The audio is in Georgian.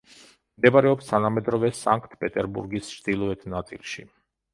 მდებარეობს თანამედროვე სანქტ-პეტერბურგის ჩრდილოეთ ნაწილში.